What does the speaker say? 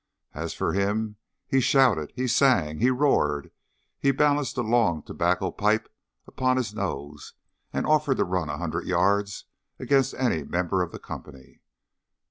As for him, he shouted, he sang, he roared, he balanced a long tobacco pipe upon his nose, and offered to run a hundred yards against any member of the company.